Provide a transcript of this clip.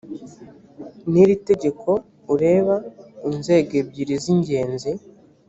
n iri tegeko ureba inzego ebyiri z ingenzi